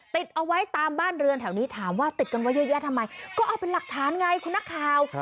ติดเอาไว้ตามบ้านเรือนแถวนี้ถามว่าติดกันไว้เยอะแยะทำไมก็เอาเป็นหลักฐานไงคุณนักข่าว